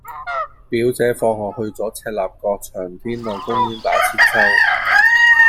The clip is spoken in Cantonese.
表姐放學去左赤鱲角翔天路公園打韆鞦